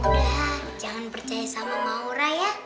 udah jangan percaya sama maura ya